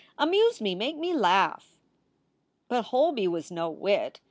"Amuse me, make me laugh!" But Holby was no wit.